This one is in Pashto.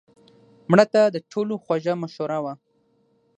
مړه د ټولو خوږه مشوره وه